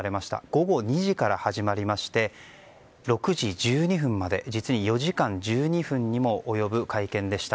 午後２時から始まりまして６時１２分まで実に４時間１２分にも及ぶ会見でした。